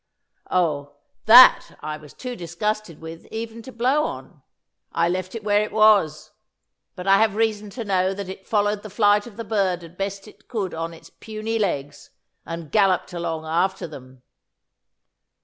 "Oh, that I was too disgusted with even to blow on. I left it where it was. But I have reason to know that it followed the flight of the bird as best it could on its puny legs, and galloped along after them."